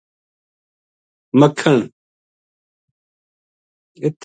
مکھن